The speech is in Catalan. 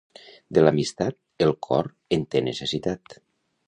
De l'amistat, el cor en té necessitat.